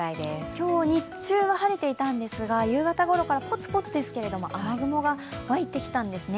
今日、日中は晴れていたんですが夕方頃からポツポツ雨雲がわいてきたんですね。